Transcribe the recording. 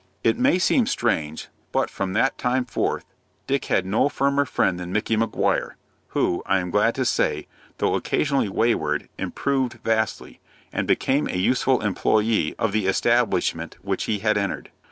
It may seem strange, but, from that time forth, Dick had no firmer friend than Micky Maguire, who, I am glad to say, though occasionally wayward, improved vastly, and became a useful employé of the establishment which he had entered.